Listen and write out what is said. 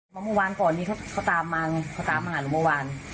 เมื่อเมื่อวานก่อนนี่เขาตามมาเมื่อวาน